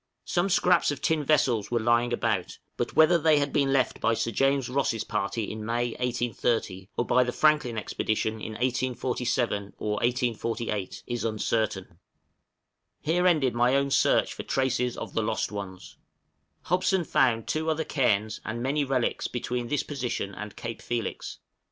Some scraps of tin vessels were lying about, but whether they had been left by Sir James Ross' party in May, 1830, or by the Franklin Expedition in 1847 or 1848, is uncertain. Here ended my own search for traces of the lost ones. Hobson found two other cairns, and many relics, between this position and Cape Felix.